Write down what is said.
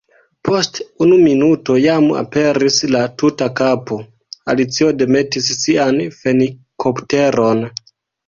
Post unu minuto jam aperis la tuta kapo. Alicio demetis sian fenikopteron.